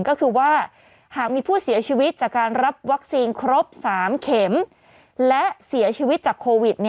ก็คือว่าหากมีผู้เสียชีวิตจากการรับวัคซีนครบ๓เข็มและเสียชีวิตจากโควิด